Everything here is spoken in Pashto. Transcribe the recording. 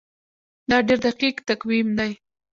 دا ډیر دقیق تقویم دی.